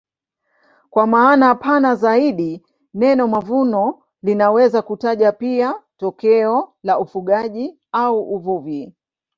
Kwa maana pana zaidi neno mavuno linaweza kutaja pia tokeo la ufugaji au uvuvi.